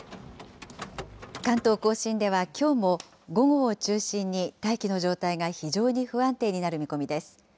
関東甲信ではきょうも、午後を中心に大気の状態が非常に不安定になる見込みです。